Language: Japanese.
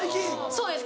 そうです